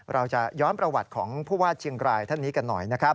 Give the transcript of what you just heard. เราจะย้อนประวัติของผู้ว่าเชียงรายท่านนี้กันหน่อยนะครับ